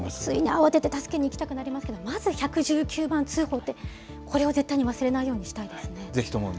慌てて助けに行きたくなりますけど、まず１１９番通報って、これは絶対に忘れないようにしたいですね。